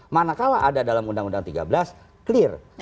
manakala ada dalam undang undang tiga belas clear